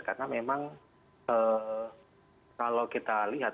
karena memang kalau kita lihat